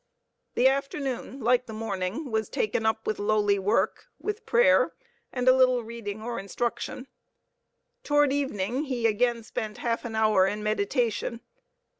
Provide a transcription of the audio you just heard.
The afternoon, like the morning, was taken up with lowly work, with prayer, and a little reading or instruction. Toward evening, he again spent half an hour in meditation.